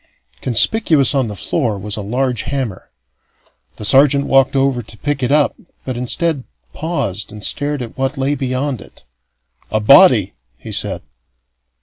Conspicuous on the floor was a large hammer. The sergeant walked over to pick it up, but, instead, paused and stared at what lay beyond it. "A body!" he said.